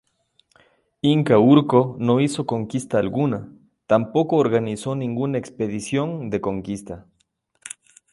Inca Urco no hizo conquista alguna, tampoco organizó ninguna expedición de conquista.